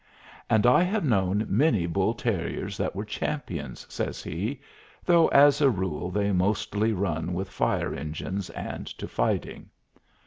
"And I have known many bull terriers that were champions," says he, "though as a rule they mostly run with fire engines and to fighting.